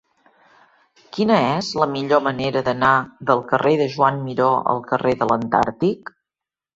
Quina és la millor manera d'anar del carrer de Joan Miró al carrer de l'Antàrtic?